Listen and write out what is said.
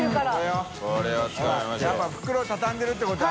やっぱ袋畳んでるってことは△